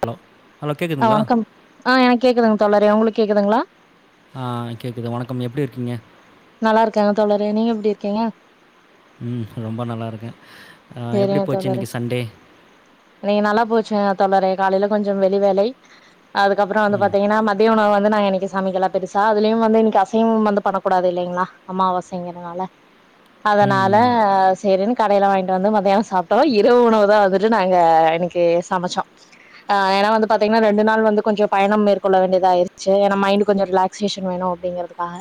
Hello hello ஆ கேட்குதுங்களா? வணக்கம் ஆ எனக்கு கேக்குதுங் தோழரே உங்ளுக்கு கேக்குதுங்ளா ஆ கேக்குது வணக்கம் எப்டிருக்கீங்க நல்லாருக்கே தோழரே நீங்க எப்டிருக்கீங்க ம் ரொம்ப நல்லாருக்கே அ எப்டி சேரிங்க போச்சு தோழரே இன்னைக்கு சண்டே இன்னைக்கு நல்லா போச்சு தோழரே காலையில கொஞ்சோ வெளி வேலை அதுக்கப்புறோ வந்து ம். பாத்தீங்கன்னா மத்திய உணவு வந்து நா என் இன்னைக்கு சமைக்கல பெருசா அதுலயும் வந்து இன்னைக்கு அசைவம் வந்து பண்ணக்கூடாது இல்லைங்ளா அம்மாவசைங்கிறதுனால ம், அதனால ம். சேரின்னு கடையில வாங்கிட்டு வந்து மத்தியானோ சாப்பிட்டோ இரவு உணவுதா வந்துட்டு நாங்க இன்னைக்கு சமச்சோ ஆ ஏனா வந்து பாத்தீங்கன்னா ரெண்டு நாள் வந்து கொஞ்சோ பயணம் மேற்கொள்ள வேண்டியதாயிருச்சு ஏனா மைண்ட் கொஞ்சோ ரிலாக்சேஷன் வேணு அப்படிங்கிறதுக்காக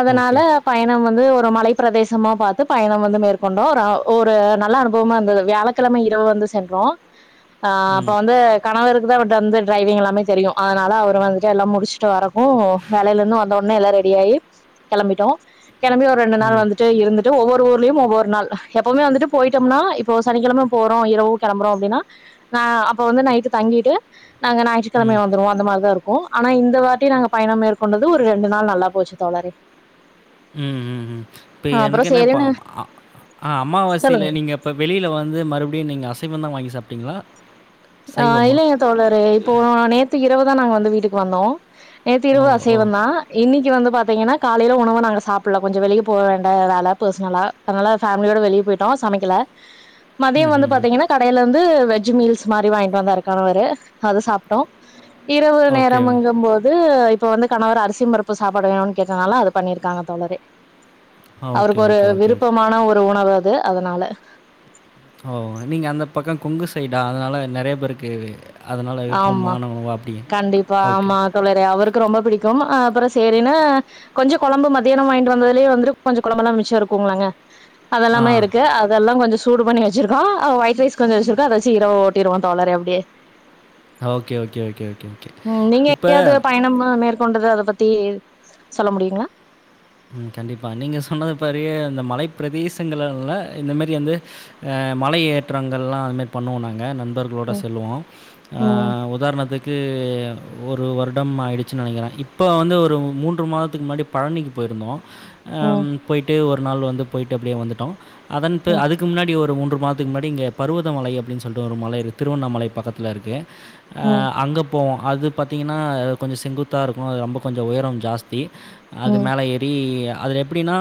அதனால ஓகே. பயணம் வந்து ஒரு மலை பிரதேசமா பாத்து பயணம் வந்து மேற்கொண்டோ ஒரு ஒரு நல்ல அனுபவமா இருந்தது வியாழக்கிழமை இரவு வந்து சென்றோ அப்ப ம், வந்து கணவர் கிதா விட்ட வந்து டிரைவிங் எல்லாமே தெரியு அதனால அவர் வந்துட்டு எல்லா முடிச்சுட்டு வர்ரக்கு வேலையில இருந்து வந்த உடனே எல்லா ரெடி ஆயி கிளம்பிட்டோ கிளம்பி ஒரு ரெண்டு நாள் ம், வந்துட்டு இருந்துட்டு ஒவ்வொரு ஊர்லயும் ஒவ்வொரு நாள் எப்பவுமே வந்துட்டு போய் ட்டோம்னா இப்போ சனிக்கிழம போறோ இரவு கிளம்புறோ அப்டின்னா அப்ப வந்து நைட்டு தங்கிட்டு நாங்க ஞாயிற்றுக்கிழமை ம், வந்துருவோ அந்த மாரிதா இருக்கு ஆனா இந்த வாட்டி நாங்க பயணம் மேற்கொண்டது ஒரு ரெண்டு நாள் நல்லா போச்சு தோழரே ம், ம், ம். இப்ப ஆ அப்புறோ எனக்கு என்ன பா சேரின்னு அ ஆ சொல்லுங்க அமாவாசையில நீங்க இப்ப வெளியில வந்து மறுபடியு நீங்க அசைவந்தா வாங்கி சாப்பிட்டீங்ளா ஆ இல்லைங்க தோழரே இப்போ நேத்து இரவுதா நாங்க வந்து வீட்டுக்கு வந்தோ நேத்து ஓ! இரவு ஓ! அசைவந்தா இன்னை க்கு வந்து பாத்தீங்கன்னா காலையில உணவ நாங்க சாப்பிடல கொஞ்சோ வெளிய போ வேண்ட வேல பர்சனலா அதனால ஃபேமிலியோட வெளிய போயிட்டோ சமைக்கல மதியோ ம், வந்து ம், ம். பாத்தீங்கன்னா கடையில இருந்து வெஜ் மீல்ஸ் மாரி வாங்கிட்டு வந்தாரு கணவரு அது சாப்பிட்டோ இரவு ஓகே. நேரம்ங்கும்போது இப்போ வந்து கணவரு அரிசியும் பருப்பு சாப்பாடு வேணுனு கேட்டனால அது பண்ணிருக்காங்க தோழரே ஆ ஓகே, அவருக்கொரு ஓகே, ஓகே, ஓகே. விருப்பமான ஒரு உணவு அது அதனால ஓ நீங்க அந்த பக்க கொங்கு சைடா அதனால நறைய பேருக்கு அதனால ஆமா விருப்பமான உணவா அப்படி? கண்டிப்பா ஓகே. ஆமா தோழரே அவருக் கு ரொம்ப பிடிக்கும் அ அப்புறோ சேரினு கொஞ்சோ கொழம்பு மத்தியானோ வாங்கிட்டு வந்ததுலயே வந்துட்டு கொஞ்சோ கொழம்பெல்லா மிச்ச இருக்கூங்ளேங்க ஆ. அதெல்லாமே இருக்கு அதெல்லா கொஞ்சோ ஸ் சூடு பண்ணி வச்சிருக்கோ ஆ வேட் ரைஸ் கொஞ்சோ வச்சிருக்கோ அத வச்சு இரவ ஓட்டிர்வோ தோழரே அப்டியே okay, okay, okay, okay, okay. ம் நீங்க இப்ப எங்கியாவ்து பயணம் மேற்கொண்டது அத பத் தே சொல்ல முடியுங்களா ம் கண்டிப்பா நீங்க சொன்னது பாரு இந்த மலை பிரதேசங்கள்ல இந்த மாரி வந்து அ மலை ஏற்றங்கள் எல்லா அது மாரி பண்ணுவ நாங்க நண் பர்குளோட ம் செல்லுவோ ஆ ம் உதாரணத்துக்கு ஒரு வருடம் ஆயிடுச்சின நெனைக்கிறே இப்போ வந்து ஒரு மூன்று மாதத்துக்கு முன்னாடி பழனிக்கு போயிருந்தோ ஆ ம் போய்ட்டு ஒரு நாள் வந்து போயிட்டு அப்டியே வந்துட்டோ அதன் ம் அதுக்கு முன்னாடி ஒரு மூன்று மாதத்துக்கு முன்னடி இங்கே பருவத மலை அப்டின்னு சொல்ட்டு ஒரு மலை க்கு திருவண்ணாமலை பக்கத்தில இருக்கு அ அங்க போவோ அது பாத்திங்கன்னா கொஞ்ச செங்குத்தா இருக்கு ரொம்ப கொஞ்ச உயரம் ஜாஸ்தி அது ம் மேல ஏறி அது எப்டின்னா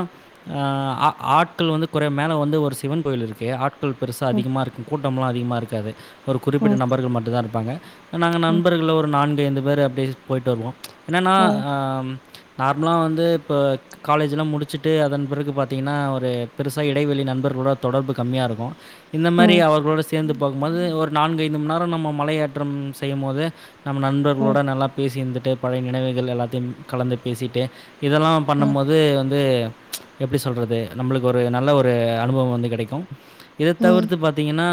ஆ ஆட்கள் வந்து குறை மேல வந்து ஒரு சிவன் கோயில் இருக்கு ஆ மக்கள் பெருசா ம் அதிகமா இருக்கு கூட்டமல்லா அதிகமா இருக்காது ஒரு குறிப்பிட்ட ம் நபர்கள் மட்டுதா இருப்பாங்க நாங்க ம் நண்பர்கள்ள ஒரு நான்கு ஐந்து பேரு அப்டியே போயிட்டு வருவோ என்னென்னா ம் ம் ஆ நார்மலா வந் து இப்ப காலேஜ்ல்லா முடிச்சுட்டு அதன் பிறகு பாத்தீங்கன்னா ஒரு பெருசா இடைவெளி நண்பர்களோட தொடர்புக்கு கம்மியாருக்கு இந்த மாரி ம் அவர்களோட சேந்து போகும்போது ஒரு நான்கு ஐந்துமண்நேரோ நம்ம மலையேற்றம் செய்யும் போது நம்ம ம் நண்பர்களோட நல்லா பேசியிருந்துட்டு பழைய நினைவுகள் எல்லாத்தையும் கலந்து பேசிட்டு இதெல்லா ம் பண்ணம் போது இது எப்டி சொல்றது நம்மளுக்கு ஒரு நல்ல ஒரு அனுபவம் வந்து கெடைக்கும் இத ம் தவிர்த்து பாத்தீங்கன்னா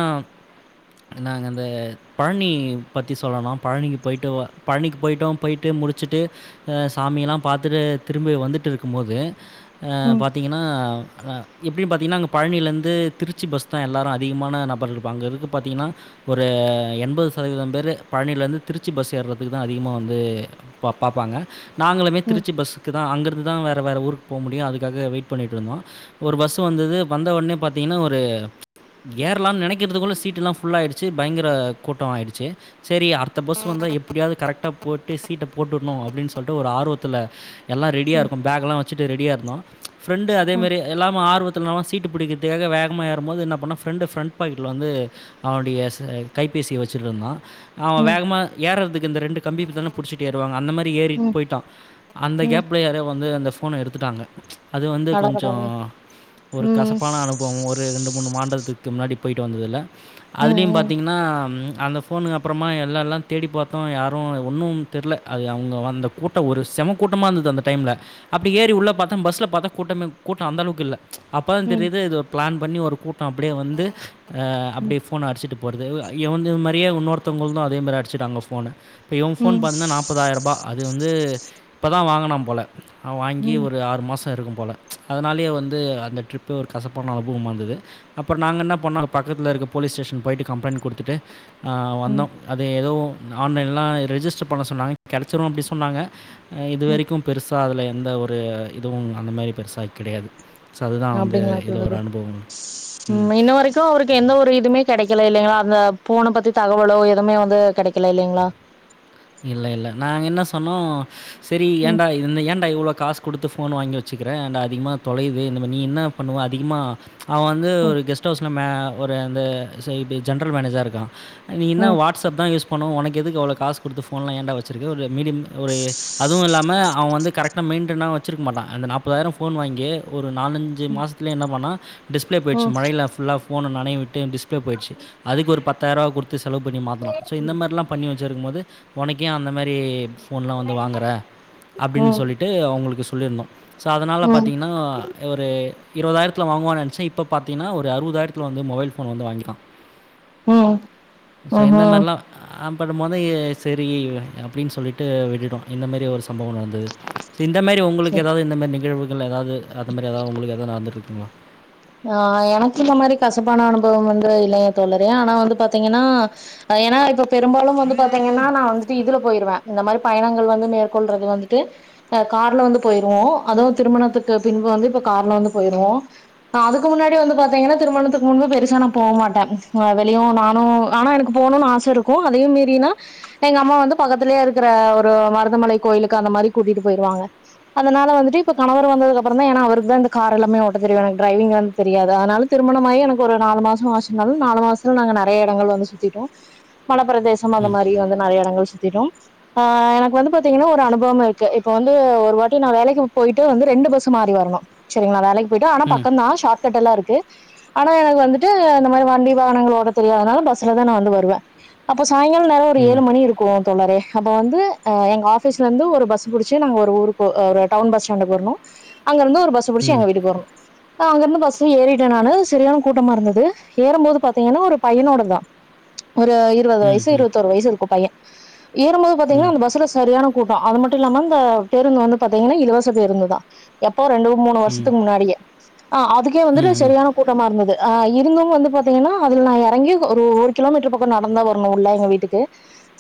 நாங்க இந்த பழனி பத்தி சொல்லன பழனிக்கு போயிட்டுவா பழனிக்கு போய்ட்டோ போயிட்டு முடிச் ச்சுட்டு அ சாமியெல்லா பாத்துரு திரும்பி வந்துட்டு இருக்கும்போது ஆ ம் பாத்திங்கன்னா ஆ இப்டியு பாத்தீங்கன்னா அங்க பழனியிலேருந்து திருச்சி பஸ் தா எல்லாரு அதிகமான நபர் இருப்பாங்க அங்க இருக்கு பாத்தீங்கன்னா ஒரு என்பது சதவீத பேரு பழனியிலேருந்து திருச்சி பஸ் ஏறதுக்கு தாஅதிகமா வந்து பா பா வாங்க நாங்களுமே ம் ம் திருச்சி பஸ் அங்கருந்து தா வேற வேற ஊருக்கு போமுடியுஅதுக்காக வெயிட் பண்ணிட்டு இருந்தோ ஒரு பஸ் வந்தது வந்த உடனே பாத்தீங்கன்னா ஒரு ஏ ஏற்லான்னு நெனைக்கிறதுக்குள்ள சீட்டெல்லா புல் ஆயிடுச்சு பயங்கர கூட்டோ ஆயிடுச்சு சரி அடுத்த பஸ் வந்து எப்டியாவது கரெக்டா போட்டு சீட்ட போட்டுன்னு அப்டின்னு சொல்ட்டு ஒரு ஆர்வத்துல எல்லா ரெடியா இருக்கொம் பேக்கெல்லா வச்சுட்டு ரெடியா இருந்தோ ப்ரெண்டு அதேமாரி எல்லாமு ஆர்வத் இத்துனோ சீட்டு பிடிக்கறதுக்காக வேகமா ஏறும்போது என்ன பண்ணா ப்ரெண்டு ப்ரெண்ட் பாக்கெட்ல்ல வந்து அவனுடைய கை பேசி வச்சிட்டிருந்தா அவே ம் ம் வேகமா ஏறதுக்கு இந்த ரெண்டு கம்பி தானே புடிச்சிட்டு ஏறுவாங்க அந்த மாரி ந்து ஏறி ம் போயிட்டா அந்த ம் கேப் வந்து அந்த போன எடுத்துட்டாங்க அது வந்து அட கொஞ்சோ கடவுளே ஒரு ம் கசப்பான அனுபவம் ஒரு ரெண்டு மூணு மாண்டலத்துக்கு முன்னாடி போய்ட்டு வந்ததுல ம் அதுலேயு ம் பாத்தீங்கன்னா அந்த ஃபோனு அப்புறமா எல்லால்லாம் தேடி பாத்தோ யாரோ ஒன்னும் தெர்ல அது அவுங்க அந்த கூட்டோ ஒரு செம கூட்டமா இருந்தது அந்த டைம்ல அப்டி ஏறி உள்ள பாத்தே பஸ்ல பாத்தே கூட்டமே கூட்ட அந்த அளவுக்கு இல்ல அப்பதா ம் தெரியுது இது ஒரு பிளான் பண்ணி ஒரு கூட்டோ அப்டியே வந்து ம் அப்டியே ஃபோன அடிச்சிட்டு போறது எவன்து மாரியே உன்னொருத்தவங்கள்து அதே மாரி அடிச்சுட்டாங்க போன இப்போ இவுங்க ம் ஃபோன் பாத்தீங்கன்னா நாற்பதாயிரரூபா அது வந்து இப்பதான் வாங்குனான் போல அவன் வாங்கி ம் ஒரு ஆறு மாசோ இருக்கும்போல அதனாலயே வந்து அந்த ட்ரிப் ஒரு கசப்பான அனுபவமா இருந்தது அப்புறோ நாங்க என்ன பண்ணோ அங்க பக் ட்ரிப்ல இருக்க போலீஸ் ஸ்டேஷன் போயிட்டு கம்ப்ளைன்ட் குடுத்துட்டு ஆ வந்தோ ம் அது ஏதோ ஆன்லைன்ல்லா ரெஜிஸ்டர் பண்ண சொன்னாங்க கெடச்சிரு அப்டி சொன்னாங்க ஆ ம் இதுவரைக்கு பெருசா அதில எந்த ஒரு இதுவும் அந்த மாரி பெருசா கெடையாது அப்டிங்ளா தோழரே ம் இன்னு வரைக்கு அவருக்கு எந்த ஒரு இதுமே கெடைக்கல இல்லைங்ளா அந்த ஃபோன பத்தி தகவலோ எதுமே வந்து கெடைக்கல இல்லைங்ளா இல்ல இல்ல நாங்க என்ன சொன்னோ செரி ம் ஏன்டா இந் ஏன்டா இவ்ளோ காசு குடுத்து ஃபோன் வாங்கி வெச்சுக்கிறே அண்ட் அதிகமா தொலையுது இந்த ப நீ என்ன பண்ணுவோ அதிகமா அவன் வந்து ம் ஒரு கெஸ்ட் ஹவுஸ்ல மே ஒரு அந்த செ இப்டி ஜென்ரல் மேனேஜரா இருக்கான் நீ என்னா ம் வாட்ஸ்அப்தா யூஸ் பண்ணுவோ உனக்கு எதுக்கு அவ்ளோ காசு குடுத்து போன்ல்லா ஏண்டா வெச்சிருக்கு ஒரு மீடியம் ஒரு அதுவு இல்லாம அவன் வந்து கரெக்ட் மெயின்டெனா வெச்சிருக்க மாட்டான் அந்த நாற்பதாயிரம் ஃபோன் வாங்கி ஒரு நாலஞ்சு மாசத்லே என்ன பண்ணா டிஸ்ப்ளே போயிடுச்சு ம் மழையில ஃபுல்லா போன நனயவிட்டு டிஸ்பிளே போயிடுச்சு அதுக்கு ஒரு பத்தாயிரூவா குடுத் து செலவு பண்ணி மாத்துனா ஸோ இந்த மாரில்லா பண்ணி வெச்சுருக்கும்போது உனக்கு ஏன் அந்த மாரி ஃபோன்ல்லா வந்து வாங்கற அப்டின்னு ம் சொல்லிட்டு அவுங்களுக்கு சொல்லியிருந்தோ சோ அதனால ம் பாத்தீங்கன்னா ஒரு இருவதாயிரத்தில வாங்குவோன்னு நினச்சே இப்ப பாத்தின்னா ஒரு அறுவதாயிரத்தில வந்து மொபைல் போன் வந்து வாங்கிட்டான் ம் சோ இந்த ம்ஹூம் மாரில்லா பண்ணும்போது ஏ செரி அப்டின்னு சொல்லிட்டு விட்டுட்டோ இந்த மாரி ஒரு செ சம்பவோ நடந்தது செ இந்த மாரி உங்களுக்கு எதாவது இந்த மாரி நிகழ்வுகள் எதாவது அந்த மாரி எதாவது உங்களுக்கு எதாவது நடந்திட்டுருக் ங்ளா ஆ எனக்கு இந்த மாரி கசப்பான அனுபவம் வந்து இல்லைங்க தோழரே ஆனா வந்து பாத்தீங்கன்னா அ ஏனா இப்போ பெரும்பாலும் வந்து பாத்தீங்கன்னா நா வந்துட்டு இதுல போயிருவ இந்த மாரி பயணங்கள் வந்து மேற்கொள்றது வந்துட்டு அ கார்ல வந்து போயிருவோ அதுவு திருமணத்துக்கு பின்பு வந்து இப்ப கார்ல வந்து போயிருவோ ஆ அதுக்கு முன்னாடி வந்து பாத்தீங்கன்னா திருமணத்துக்கு முன்பு பெருசா நா போ மாட்டே வெளியு நானு ஆனா எனக்கு போ னுன்னு ஆச இருக்கு அதையும் மீறினா எங்க அம்மா வந்து பக்கத்திலயே இருக்கிற ஒரு மருதமலை கோயிலுக்கு அந்த மாரி கூட்டிட்டு போயிருவாங்க அதனால வந்துட்டு இப்ப கணவர் வந்ததுக்கு அப்புறந்தா ஏனா அவருக்குதா இந்த கார் எல்லாமே ஓட்ட தெரியு எனக் டிரைவிங் வந்து தெரியாது அதனால திருமணமாயி எனக்கு ஒரு நாலு மாசம் ஆச்சினாலும் நாலு மாசத்துல நாங்க நிறைய இடங்கள் வந்து சுத்திட்டோம் மலப்பிரதேசம் அந்த ம். மாதிரி வந்து நிறைய இடத் கள் சுத்திட்டோம் அஹ் எனக்கு வந்து பாத்தீங்கன்னா ஒரு அனுபவம் இருக்கு இப்ப வந்து ஒரு வாட்டி நான் வேலைக்கு போயிட்டு வந்து ரெண்டு பஸ்ஸு மாறி வரணும் சரிங்களா வேலைக்கு போயிட்டு ஆனா பக் ம். ஷார்ட் கட் எல்லாம் இருக்கு ஆனா எனக்கு வந்துட்டு இந்த மாதிரி வண்டி வாகனங்கள ஓட்ட தெரியாதனால பஸ்ல தான் நான் வந்து வருவேன் அப்ப சாயங்காலம் நேரம் ஒரு ம். ஏழு மணி இருக்கும் தோழரே அப்ப வந்து எங்க ஆபீஸ்ல இருந்து ஒரு பஸ் புடிச்சு நாங்க ஒரு ஊருக்கு ஒரு டவுன் பஸ் ஸ்டாண்டுக்கு வரணும் அங்க இருந்து ஒரு பஸ் புடிச்சு ம். எங்க வீட்டுக்கு வரணும் ஆஹ் அங்க இருந்து பஸ்ல ஏறிட்டேன் நானு செரியான கூட்டமா இருந்தது ஏறும்போது பாத்தீங்கன்னா ஒரு பையனோட இருந்தான் ஒரு இருபது ம். வயசு ம். இருபத்தோரு வயசு இருக்கும் பையன் ஏறும்போது பாத்தீங்கன்னா ம். அந்த பஸ்ல சரியான கூட்டம் அது மட் ட்டுல்லாம அந்த பேருந்து வந்து பாத்தீங்கன்னா இலவச பேருந்து தான் எப்போ ரெண்டு மூணு ம். வருஷத்துக்கு முன்னாடியே ஆ அதுக்கே வந்துட்டு ம். செரியான கூட்டமா இருந் தது ஆஹ் இருந்தும் வந்து பாத்தீங்கன்னா அதுல நான் இறங்கி ஒரு ஒரு கிலோமீட்டர் பக்கம் நடந்துதான் வரணும் உள்ளே எங்க வீட்டுக்கு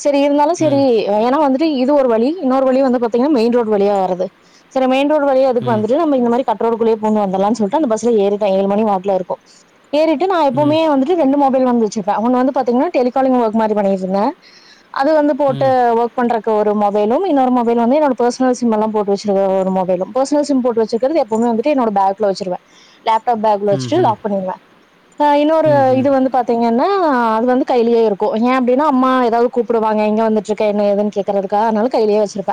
சரி இருந்தாலும் சரி ம். ஏன்னா வந்துட் டு இது ஒரு வழி இன்னொரு வழி வந்து பாத்தீங்கன்னா மெயின் ரோடு வழியா வரது சரி மெயின் ரோடு வழியா எதுக்கு ம். வந்துட்டு நம்ம இந்த மாரி கட்ரோடேக்குள்ளே பூந்து வந்துல்லாம் சொல்ட் டு அந்த பஸ்ல ஏறிட்டன் ஏழு மணி வாக்குல இருக்கும் ஏறிட்டு நான் எப்பவுமே வந்துட்டு ரெண்டு மொபைல் வந்து வச்சிருப்பேன் ஒன்னு வந்து பாத்தீங் னு டெலிகாலிங் ஒர்க் மாரி பண்ணிட்டுருந்தேன் அது வந்து போட்டு ம். ம். ஓர்க் பண்றக்கு ஒரு மொபைலும் இன்னொரு மொபைல் வந்து என்னோட பர்சனல் சிம் எல்லாம் போட்டு வச்சிருக்க ஒரு மொப் பர்சனல்சிம் போட்டு வச்சிருக்கிறது எப்போமே வந்துட்டு என்னோட பேக்ல வச்சிருவே லேப்டாப் பேகுல்ல வச்சிட்டு லாக் ம்ஹ்ம். பண்ணிருவே அ இன்னொரு ம்ஹ்ம். இது வந்து பாத்தீங்கன்னா அது வந்து கையிலியே இருக்கு ஏ அப்டின்னா அம்மா ஏதாவது கூப்புட் து வாங்க எங்க வந்துட்டுருக்க என்ன ஏதுன்னு கேக்கறதுக்காக அதனால கையிலியே வச்சுருப்ப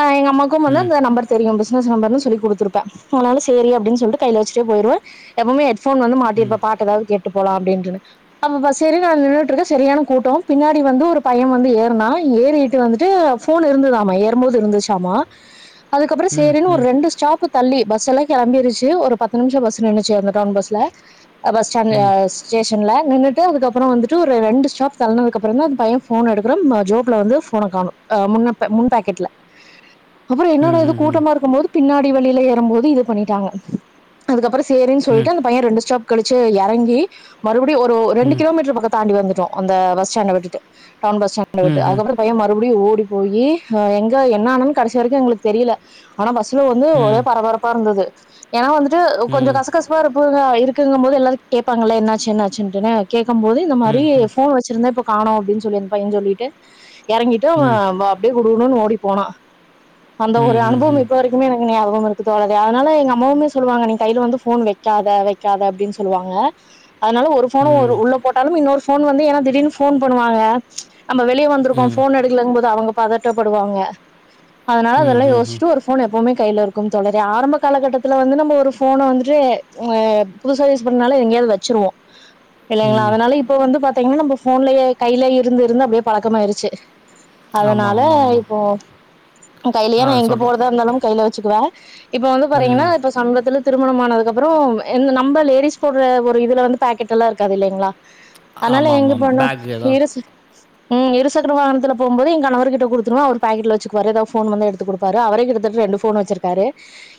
அ எங்க அம்மாக்கும் வந்து ம். அந்த நம்பர் தெரியும் பிஸ்னஸ் நம்பர்னு சொல்லி குடுத்துருப்ப அதனால சேரி அப்டின்னு சொல்ட்டு கையில வச்சுட்டே போயிருவே எப்பவுமே ஹெட்போன் வந்து ம். மாட்டிறுப்பே பாட்டெதாது கேட்டு ட்டு போலா அப்டிடுறுந்தே அப்ப பஸ்சேரி நா நின்னுட்டு இருக்கே சரியான கூட்டோ பின்னாடி வந்து ஒரு பைய வந்து ஏறுனா ஏறிட்டு வந்துட்டு போன் இருந்துதாமா ஏறும்போது இருந்துச்சாமா அதுக்கப்புறம் ம். சேரின்னு ஒரு ம். ரெண்டு ஸ்டாப்பு தள்ளி பஸ்செல்லா கெளம்பிருச்சி ஒரு பத்து நிமிஷ பஸ் நின்னுச்சு அந்த டவுன் பஸ்ல பஸ்டாண்ல ம். ஸ்டேஷ னின்ல நின்ட்டு அதுக்கப்புற வந்துட்டு ஒரு ரெண்டு ஸ்டாப் தள்ளனதுக்குப்புறந்தா பைய போன் எடுக்குறா ஜோப்ல வந்து போன கா காணோம் அ முன்னப்ப முன் பேக்கெட்ல அப்புறோ என்னோட இது ம்ஹ்ஹ்ம். கூட்டமா இருக்கு போது பின்னாடி வழியில ஏறும் போது இத பண்ணிட்டாங்க அதுக்கப்புறோ சேரின்னு ம். சொல்லிட்டு அந்த பைய ரெண்டு ஸ்டாப் கழிச்சு எறங்கி மறுபடி ஒரு ரெண்டு ம். கிலோமீட்டர் பக்கத் தாண்டி வந்துட்டோ அந்த பஸ்டாண்ட விட்டுட்டு டவுன் பஸ்டாண்ட விட்டு ம்ஹ்ம். அதுக்கப்பறம் அந்த பையன் மறுபடி ப்டி ஓடி போயி எங்க என்னானன் கடைசி வரைக்கு எங்களுக்கு தெரியல ஆனா பஸ்ல வந்து ம். ஒரே ம். பரபரப் ப்பா இருந்தது ஏனா வந்துட் ட்டு ம்ஹ்ம். கொஞ்ச ம். கசக்கசப்பா இருப்புக இருக்குங்கும் போது எல்லாரு கேப்பாங்கல்ல என்னாச்சு என்னாச்சுன்ட்டுன்னு கே கம்போது இந்த மாரி ம்ஹ்ஹ்ம். போன் வச்சிருந்தே இப்ப காணோ அப்டின்னு சொல்லின் அந்த பைய சொல்லிட்டு எறங்கிட்டு அவ ம். ம். அப்படியே குடுகுடுணு ஓடி போனா அந்த ஒரு ம் ம் ம் அனுபவம் இப்ப வரைக்குமே எனக்கு ஞாபகம் இருக்கு தோழரே ஆனாலு எங்க அம்மாவுமே சொல்லுவாங்க நீ கைல வந்து போன் வெக்காத வெக்காத அப்டின்னு சொல்லுவாங்க அதனால ம் ம் ஒரு ம் போன உ ம் உள்ள போட்டா டாலுமு இன்னொரு போன் வந்து ஏனா திடீனு போன் பண்ணுவாங்க நம்ம வெளியே ம் வந்துருக்கோம் ம் போன் எடுக்லங் போது அவங்க பதட்டப்படுவாங்க அதனால ம், அதெல்லா ம், ம். யோஸ்ட்டு ஒரு போன் எப்பவுமே கைல இருக்கும் தோழரே ஆரம்ப காலகட்டத்துல வந்து ரும்ப ஒரு ஃபோன வந்துட்டு ஏ புதுசா யூஸ் பண்ணாலே எங்யாவது வச்சிருவோ இல்லைங்களா ம். அதனால இப்ப வந்து பாத்தீங்கன்னா நம்ம போன்லயே கையிலய இருந்துருந்து அப்டியே பழக்கமாயயிருச்சு ஆமா, அதனால ஆமா, ஆமா. இப்போ கையிலயே ஆ நான் எங்க சொல்ற போறதா இருந்தாலும் கையில வச்சுக்குவே இப்ப வந்து பாதீங்கனா ம். ப்பஸ் திருமணம்மானதுக்கு அப்புறோ இந் நம்ப லேடிஸ் போடுற ஒரு இதுல வந்து பாக்கெட்டெல்லா இருக்காது இல்லைங்களா அனால ஆமா, எங்க ஆமா. போனு பேக் ஏதா [unintelligible] ம் இரு சக்ர வாகனத்துல போம்போது ஏ கணவர் கிட்ட குடுத்துருவே அவர் பேக்கெட்ல வச்சிக்குவாரு எதா ஃபோன் வந்தா எடுத்து குடுப்பாரு அவரே கிட்டத்தட்ட ரெண்டு போனு வச்சிருக்காரு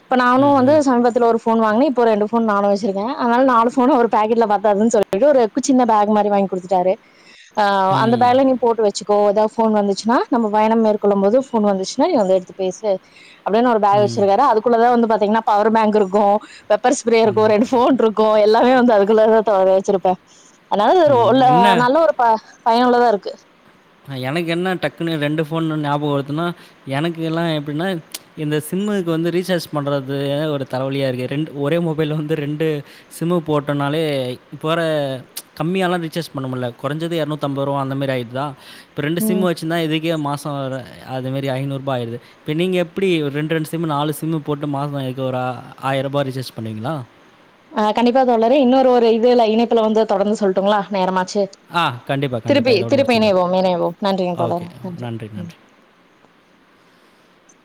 இப்ப நானு ம், வந்து ம். இன்னொர் ஃபோன் வாங்னே இப்ப ரெண்டு ஃபோன் நாலு வச்சிருக்கே அனால நாலு ஃபோனு ஒரு பேக்கெட்ல பத்தாதுன் சொல்லிட்டு ஒரு கு சின்ன பேக் மாரி ரி வாங்கி குடுத்துட்டாரு அந்த ம், பேக்ல நீ போட்டு வெச் சிக்கோ எதா ஃபோன் வந்துச்சுன்னா நம்ம பயணம் மேற்கொள்ளு போது ஃபோன் வந்துச்சுன்னா நீ [unintelligible] எடுத்து பேசு அப்டினு ஒரு பேக் ம், வச்சிருக்காரு அதுக்குள்ளதா வந்து பாதீங்கனா பவர் பேங்க்குருக்கு வெப்பர் ஸ்ப்ரேருக்கு ரெண்டு ஃபோன் ருக்கு எல்லாமே வந்து அதுக்குள்ளதா தோழரே வச்சிருப்பே அதனால அது ம். உள்ள என்ன நல்ல ஒரு ப பயனுள்ளதா இருக்கு எனக்கு என்ன டக்குன்ன ரெண்டு போனுன் ஞாபகவருதுன்னா எனக்கு எல்லா எப்டின்னா இந்த சிம்மு க்கு வந்து ரீசார்ஜ் பண்றது எனத் ஒரு தலைவலியா இருக்கு ரெண்டு ஒரே மொபைல்ல வந்து ரெண்டு சிம்மு போட்டனால [unintelligible] இப்போ வேற கம்மியாலா ரீசார்ஜ் பண்ண முல்ல கொறஞ்சது எரநூத்தம்பரூபா அந்த மாரி ஆயிருதா இப்ப ரெண்டு ம் சிம் வச்சுந்தா இதுக்கே மா சொல்ற அதுமாரி ஐநூற்ரூபா ஆயிடுது ப்ப நீங்க எப்படி ஓ ரெண்ட் ரெண்டு சிம்மு நாலு சிம்மு போட்டு மாசோ ஆஹ் ஆயிர்ரூபா ரிசார்ஜ் பண்ணுவீங்களா அ கண்டிப்பா தோழரே இன்னொரு ஒரு இதுல இணைப்புல வந்து தொடர்ந்து சொல்ட்டுங்ளா நேரமா சேரி ஆ, கண்டிப்பா, கண்டிப்பா. திருப்பி இதோட திருப்பி முடிச்சுக்கலாம். இணைவோ இணைவோம் நன்றிங்க தோழரே நன்றி [unintelligible]